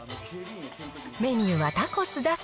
メニューはタコスだけ。